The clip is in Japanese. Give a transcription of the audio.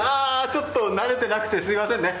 ちょっと慣れていなくてすみませんね。